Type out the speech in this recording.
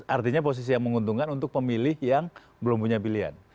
artinya posisi yang menguntungkan untuk pemilih yang belum punya pilihan